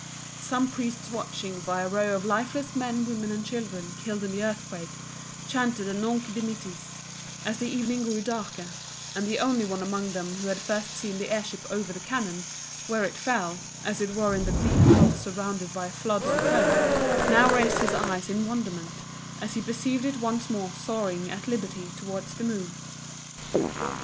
Some priests watching by a row of lifeless men, women and children killed in the earthquake, chanted the "Nunc Dimittis" as the evening grew darker, and the only one among them who had first seen the air ship over the canon, where it fell, as it were in the deep gulf surrounded by flood and foam, now raised his eyes in wonderment as he perceived it once more soaring at liberty towards the moon.